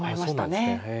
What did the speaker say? そうなんですね。